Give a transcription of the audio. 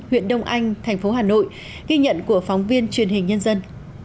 huyện đông anh thành phố hà nội ghi nhận của phóng viên truyền hình nhân dân